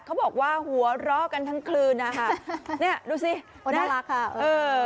เขาบอกว่าหัวเราะกันทั้งคืนนะคะเนี่ยดูสิน่ารักค่ะเออ